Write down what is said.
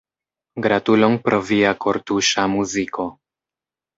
Gratulon pro via kortuŝa muziko.